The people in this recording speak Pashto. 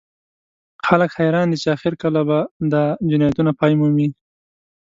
خلک حیران دي چې اخر کله به دا جنایتونه پای مومي